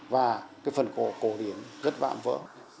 và cái phần cổ cổ điển rất vã vỡ